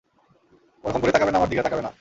ওরকম করে তাকাবে না আমার দিকে, তাকাবে না।